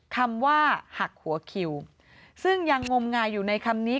คำว่าหักหัวคิวซึ่งยังงมงายอยู่ในคำนี้